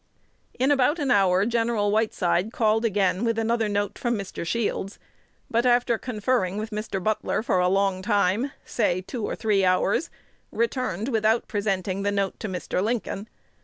In about an hour Gen. Whiteside called again with another note from Mr. Shields; but after conferring with Mr. Butler for a long time, say two or three hours, returned without presenting the note to Mr. Lincoln.